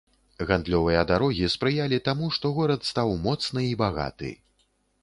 Гандлёвыя дарогі спрыялі таму, што горад стаў моцны і багаты.